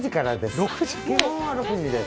６時です。